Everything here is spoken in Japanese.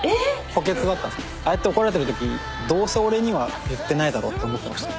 補欠だったんですけどああやって怒られてるときどうせ俺には言ってないだろうって思ってました。